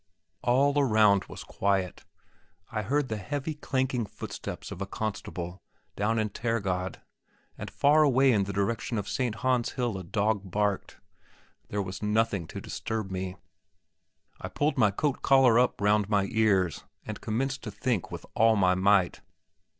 All around was quiet; I heard the heavy clanking footstep of a constable down in Taergade, and far away in the direction of St. Han's Hill a dog barked. There was nothing to disturb me. I pulled my coat collar up round my ears, and commenced to think with all my might.